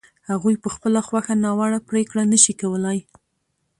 هغوی په خپله خوښه ناوړه پرېکړه نه شي کولای.